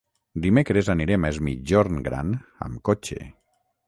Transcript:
Dimecres anirem a Es Migjorn Gran amb cotxe.